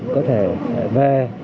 có thể về